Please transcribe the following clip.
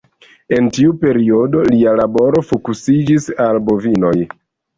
En tiu periodo lia laboro fokusiĝis al bovinoj.